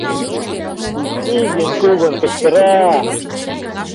Изин-кугун кычкыра.